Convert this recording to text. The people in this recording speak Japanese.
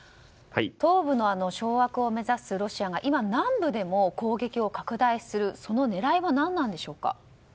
東部の掌握を目指すロシアが今、南部でも攻撃を拡大するその狙いは何なんでしょうか。